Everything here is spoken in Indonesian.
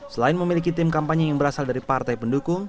selain memiliki tim kampanye yang berasal dari partai pendukung